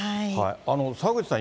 澤口さん